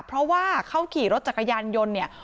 เพราะว่าเขาขี่รถจักรยานยนต์เนี่ย